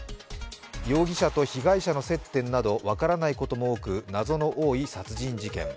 容疑者と被害者の接点など分からないことも多く謎の多い殺人事件。